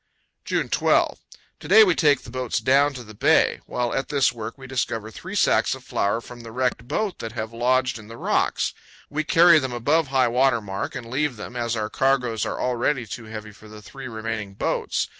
June 12. To day we take the boats down to the bay. While at this work we discover three sacks of flour from the wrecked boat that have lodged in the rocks. We carry them above high water mark and leave them, as our cargoes are already too heavy for the three remaining boats.